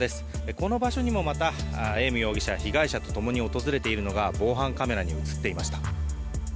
この場所にもまたエーム容疑者は被害者と共に訪れているのが防犯カメラに映っていました。